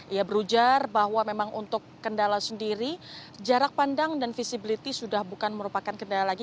ia berujar bahwa memang untuk kendala sendiri jarak pandang dan visibility sudah bukan merupakan kendala lagi